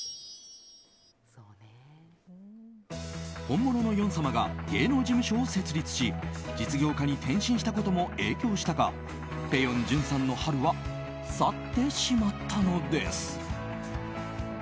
本物のヨン様が芸能事務所を設立し実業家に転身したことも影響したかぺよん潤さんの春は去ってしまったのです。